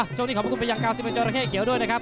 โจรมาที่ขอบคุณคุณอย่างกับ๙๑จอระเข้เขียวด้วยครับ